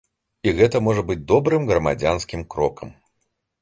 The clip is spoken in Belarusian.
І гэта можа быць добрым грамадзянскім крокам.